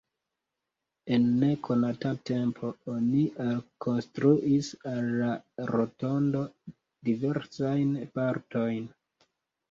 En nekonata tempo oni alkonstruis al la rotondo diversajn partojn.